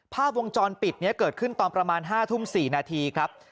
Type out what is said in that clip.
ภาพวงจรปิดนี้เกิดขึ้นตอนประมาณ๕ทุ่ม๔นาทีครับ